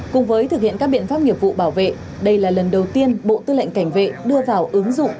cùng với thực hiện các biện pháp nghiệp vụ bảo vệ đây là lần đầu tiên bộ tư lệnh cảnh vệ đưa vào ứng dụng